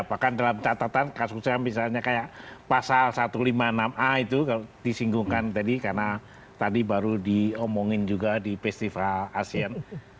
bahkan dalam catatan kasusnya misalnya kayak pasal satu ratus lima puluh enam a itu kalau disinggungkan tadi karena tadi baru diomongin juga di festival asean